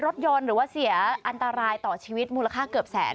รถยนต์หรือว่าเสียอันตรายต่อชีวิตมูลค่าเกือบแสน